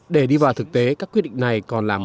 để đi vào thực tế các quyết định này còn làm